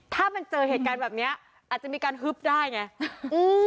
ถ้ามันเจอเหตุการณ์แบบเนี้ยอาจจะมีการฮึบได้ไงอืม